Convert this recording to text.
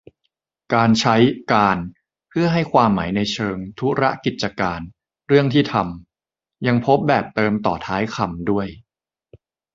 การใช้ "การ" เพื่อให้ความหมายในเชิง ธุระ กิจการ เรื่องที่ทำ ยังพบแบบเติมต่อท้ายคำด้วย